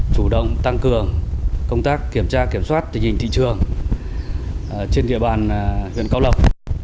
chủ động tăng cường công tác kiểm tra kiểm soát tình hình thị trường trên địa bàn huyện cao lộc